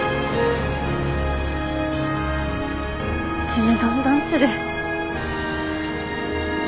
ちむどんどんする。